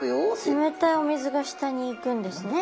冷たいお水が下に行くんですね。